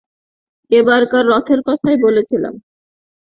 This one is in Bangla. এবারকার রথের কথাই বলেছিলাম।